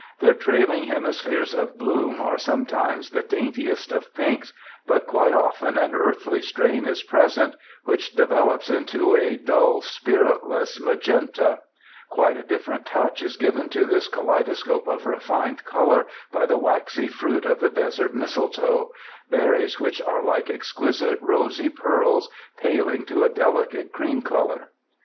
Their trailing hemispheres of bloom are sometimes the daintiest of pinks, but quite often an earthy strain is present, which develops into a dull, 43 UNDER THE SKY IN CALIFORNIA spiritless magenta. Quite a different touch is given to this kaleidoscope of refined color by the waxy fruit of the desert mistletoe — berries which are like exquisite rosy pearls, paling to a delicate cream color.